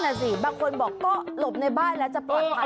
นั่นอ่ะสิบางคนบอกลบในบ้านแล้วจะปลอดภัย